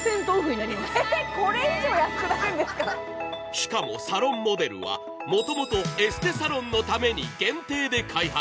しかも、ＳＡＬＯＮＭＯＤＥＬはもともとエステサロンのために限定で開発。